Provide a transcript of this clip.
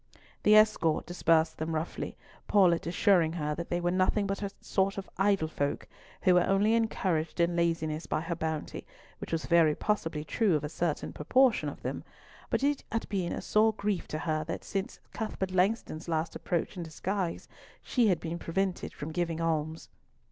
The escort dispersed them roughly, Paulett assuring her that they were nothing but "a sort of idle folk," who were only encouraged in laziness by her bounty, which was very possibly true of a certain proportion of them, but it had been a sore grief to her that since Cuthbert Langston's last approach in disguise she had been prevented from giving alms.